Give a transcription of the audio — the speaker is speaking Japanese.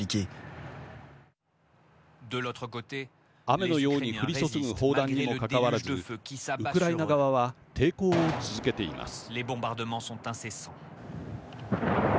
雨のように降り注ぐ砲弾にもかかわらずウクライナ側は抵抗を続けています。